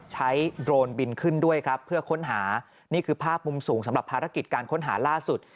โดรนบินขึ้นด้วยครับเพื่อค้นหานี่คือภาพมุมสูงสำหรับภารกิจการค้นหาล่าสุด